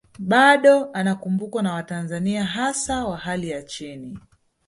Bado anakumbukwa na watanzania hasa wa hali ya chini